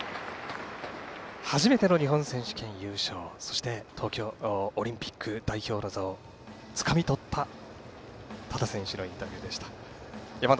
初めての日本選手権優勝そして東京オリンピック代表の座をつかみとった多田選手のインタビューでした。